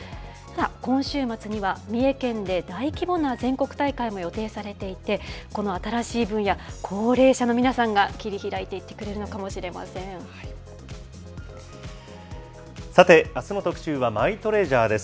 今週末には三重県で大規模な全国大会も予定されていて、この新しい分野、高齢者の皆さんが切り開いていってくれるのかもしれませさて、あすの特集はマイトレジャーです。